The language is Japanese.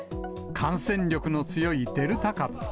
感染力の強いデルタ株。